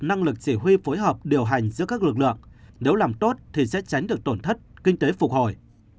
năng lực chỉ huy phối hợp điều hành giữa các lực lượng nếu làm tốt thì sẽ tránh được tổn thất kinh tế phục hồi